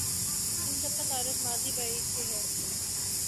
ان سب کا تعلق ماضی بعید سے ہے۔